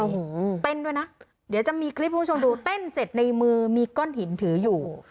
โอ้โหเต้นด้วยนะเดี๋ยวจะมีคลิปผู้ชมดูเต้นเสร็จในมือมีก้อนหินถืออยู่